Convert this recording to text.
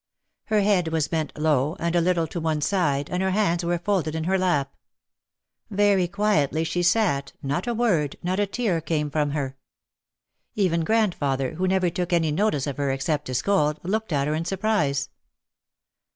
Her head was bent low and a little to one side, and her hands were folded in her lap. Very quietly she sat, not a word, not a tear came from her. Even grandfather, who never took any notice of her except to scold, looked at her in surprise.